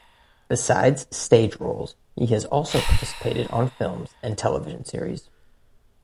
Besides stage roles he has also participated on films and television series.